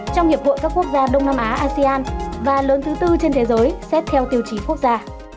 trong hiệp hội các quốc gia đông nam á asean và lớn thứ tư trên thế giới xét theo tiêu chí quốc gia